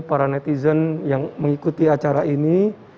para netizen yang mengikuti acara ini